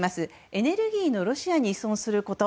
エネルギーのロシアに依存すること。